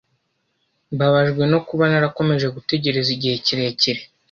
Mbabajwe no kuba narakomeje gutegereza igihe kirekire.